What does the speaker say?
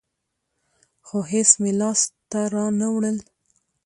خو هېڅ مې لاس ته رانه وړل.